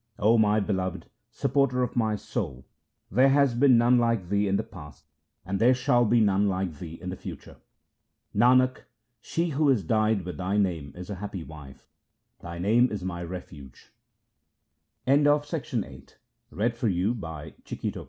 0 my Beloved, Support of my soul, there has been none like Thee in the past, and there shall be none like Thee in the future. Nanak, she who is dyed with Thy name is a happy wife ; Thy name is my refuge. 1 The MS.